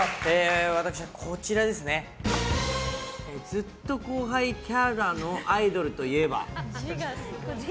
ずっと後輩キャラのアイドルといえば？